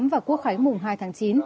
và quốc khái mùng hai tháng chín